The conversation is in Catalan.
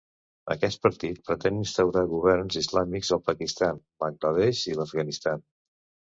Aquest partit pretén instaurar governs islàmics al Pakistan, Bangla Desh i l'Afganistan.